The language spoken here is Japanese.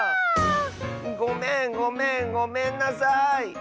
ごめんごめんごめんなさい。